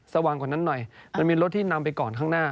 สว่างกว่านั้นหน่อยมันมีรถที่นำไปก่อนข้างหน้า